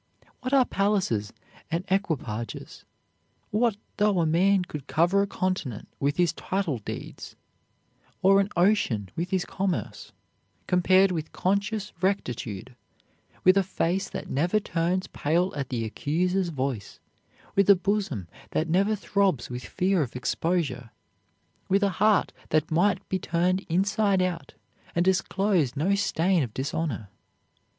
What are palaces and equipages; what though a man could cover a continent with his title deeds, or an ocean with his commerce; compared with conscious rectitude, with a face that never turns pale at the accuser's voice, with a bosom that never throbs with fear of exposure, with a heart that might be turned inside out and disclose no stain of dishonor?